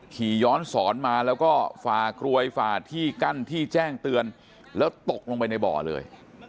ขี่ย้อนสอนมาแล้วก็ฝ่ากรวยฝ่าที่กั้นที่แจ้งเตือนแล้วตกลงไปในบ่อเลย